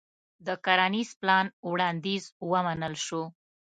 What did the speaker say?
د کرنيز پلان وړانديز ومنل شو.